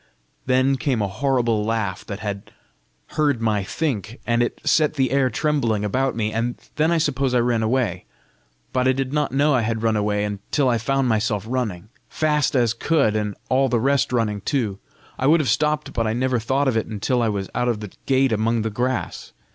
Then came a horrible laugh that had heard my think, and it set the air trembling about me. And then I suppose I ran away, but I did not know I had run away until I found myself running, fast as could, and all the rest running too. I would have stopped, but I never thought of it until I was out of the gate among the grass.